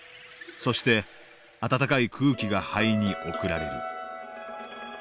そして暖かい空気が肺に送られる。